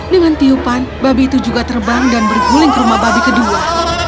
dengan tiupan babi itu juga terbang dan berguling ke rumah babi kedua